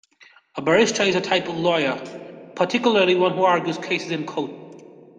A barrister is a type of lawyer, particularly one who argues cases in court